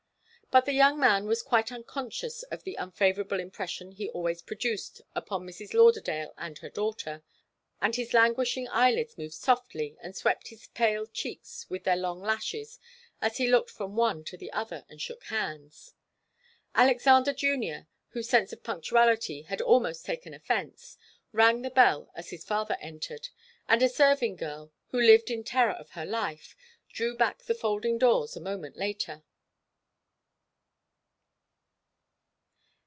But the young man was quite unconscious of the unfavourable impression he always produced upon Mrs. Lauderdale and her daughter, and his languishing eyelids moved softly and swept his pale cheeks with their long lashes as he looked from one to the other and shook hands. Alexander Junior, whose sense of punctuality had almost taken offence, rang the bell as his father entered, and a serving girl, who lived in terror of her life, drew back the folding doors a moment later.